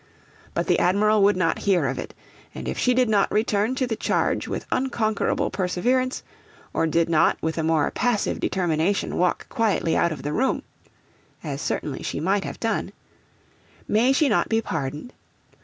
But the Admiral would not hear of it; and if she did not return to the charge with unconquerable perseverance, or did not with a more passive determination walk quietly out of the room (as certainly she might have done), may she not be pardoned?